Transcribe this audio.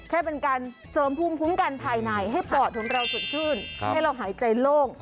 แค่เป็นการเสริมภูมิคุ้มกันภายในให้ปอดของเราสดชื่นให้เราหายใจโล่ง